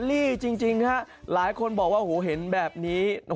ไทยแลนด์โอลี่จริงหลายคนบอกว่าเห็นแบบนี้